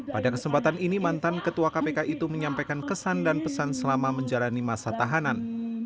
pada kesempatan ini mantan ketua kpk itu menyampaikan kesan dan pesan selama menjalani masa tahanan